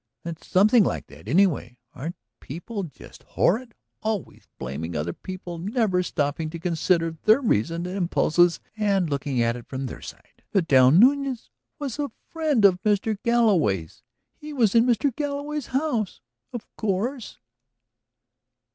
It's something like that, anyway. Aren't people just horrid, always blaming other people, never stopping to consider their reasons and impulses and looking at it from their side? Vidal Nuñez was a friend of Mr. Galloway's; he was in Mr. Galloway's house. Of course